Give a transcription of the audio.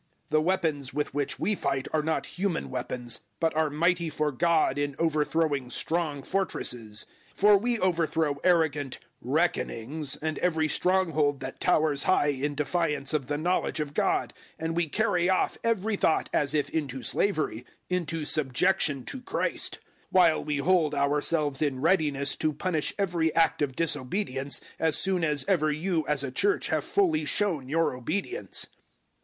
010:004 The weapons with which we fight are not human weapons, but are mighty for God in overthrowing strong fortresses. 010:005 For we overthrow arrogant `reckonings,' and every stronghold that towers high in defiance of the knowledge of God, and we carry off every thought as if into slavery into subjection to Christ; 010:006 while we hold ourselves in readiness to punish every act of disobedience, as soon as ever you as a Church have fully shown your obedience.